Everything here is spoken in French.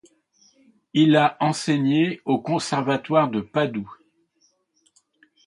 Il a enseigné au conservatoire de Padoue.